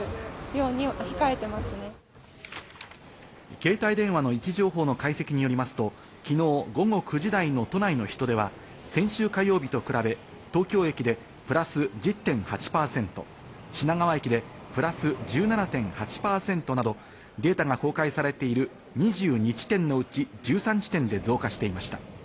携帯電話の位置情報の解析によりますと、昨日午後９時台の都内の人出は先週火曜日と比べ、東京駅でプラス１０．８％、品川駅でプラス１７．８％などデータが公開されている２２地点のうち、１３地点で増加していました。